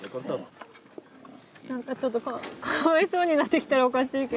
何かちょっとかわいそうになってきたらおかしいけど。